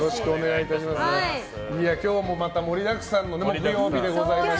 今日もまた盛りだくさんの木曜日でございましたが。